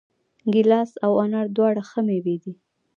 ګیلاس او انار دواړه ښه مېوې دي.